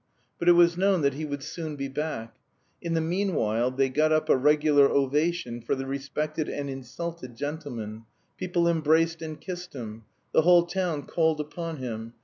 But it was known that he would soon be back. In the meanwhile they got up a regular ovation for the respected and insulted gentleman; people embraced and kissed him; the whole town called upon him.